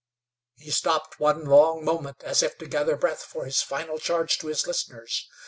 He stopped one long moment as if to gather breath for his final charge to his listeners.